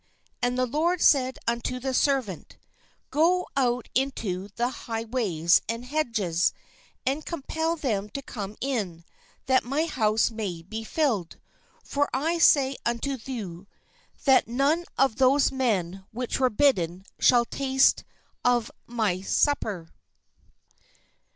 And the lord said unto the servant : "Go out into the high ways and hedges, and com pel them to come in, that my house may be filled. For I say unto you, That 159 m none of those men which were bidden shall taste of my supper."